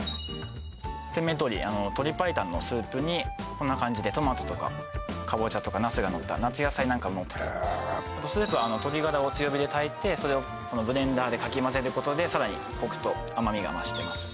店名のとおり鶏白湯のスープにこんな感じでトマトとかカボチャとかナスがのった夏野菜なんかがのっててスープは鶏ガラを強火で炊いてブレンダーでかきまぜることでさらにコクと甘みが増してます